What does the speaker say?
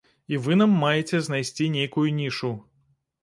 І вы нам маеце знайсці нейкую нішу.